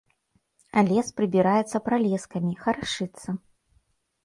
Лес прыбіраецца пралескамі, харашыцца.